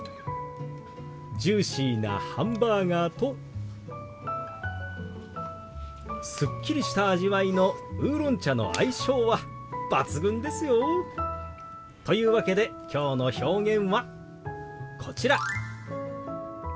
ジューシーなハンバーガーとすっきりした味わいのウーロン茶の相性は抜群ですよ。というわけできょうの表現はこちら。